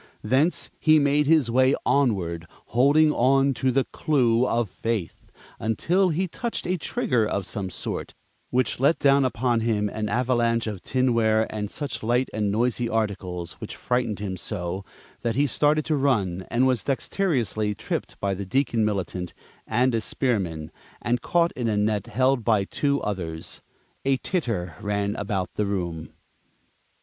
Thence he made his way onward, holding to the Clue of Faith until he touched a trigger of some sort, which let down upon him an avalanche of tinware and such light and noisy articles, which frightened him so that he started to run, and was dexteriously tripped by the Deacon Militant and a spearman, and caught in a net held by two others. A titter ran about the room.